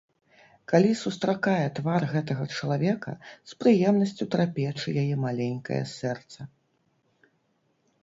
Калі сустракае твар гэтага чалавека, з прыемнасцю трапеча яе маленькае сэрца.